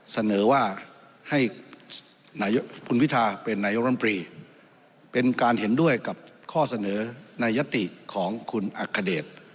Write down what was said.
เสนอว่าให้คุณวิทาเป็นนายกรมปรีเป็นการเห็นด้วยกับข้อเสนอในยติของคุณอัคเดช